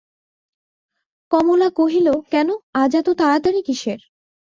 কমলা কহিল, কেন, আজ এত তাড়াতাড়ি কিসের?